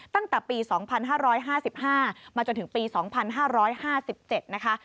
ตั้งแต่ปี๒๕๕๕มาจนถึงปี๒๕๕๗นะคะ